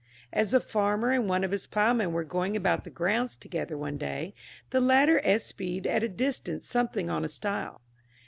As the farmer and one of his ploughmen were going about the grounds together one day, the latter espied at a distance something on a stile.